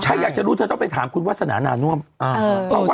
ถ้าอยากจะรู้เธอต้องไปถามคุณวาสนานาน่วม